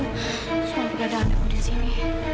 soal keadaan aku disini